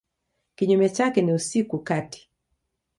Kinyume chake ni usiku kati.